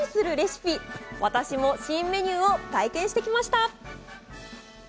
私も新メニューを体験してきました。